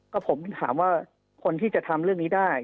ก็ผมถามว่าคนที่จะทำเรื่องนี้ได้